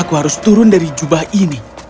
aku harus turun dari jubah ini